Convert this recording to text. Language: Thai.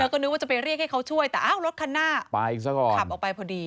เธอก็นึกว่าจะไปเรียกให้เขาช่วยแต่รถข้างหน้าขับออกไปพอดี